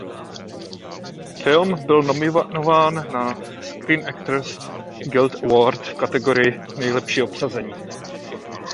Film byl nominován i na Screen Actors Guild Award v kategorii nejlepší obsazení.